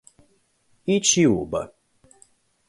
Itiúba